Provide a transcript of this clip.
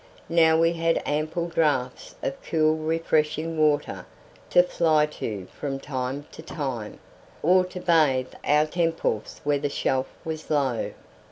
Now we had ample draughts of cool refreshing water to fly to from time to time, or to bathe our temples where the shelf was low.